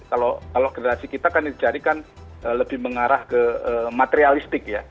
kalau generasi kita kan dicari kan lebih mengarah ke materialistik ya